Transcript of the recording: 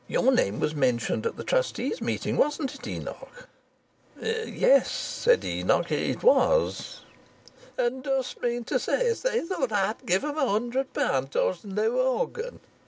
"Your name was mentioned at the trustees' meeting, wasn't it, Enoch?" "Yes," said Lovatt, "it was." "And dost mean to say as they thought as I 'ud give 'em a hundred pound towards th' new organ?"